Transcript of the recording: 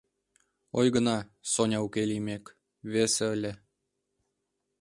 Ойгына, Соня уке лиймек, весе ыле.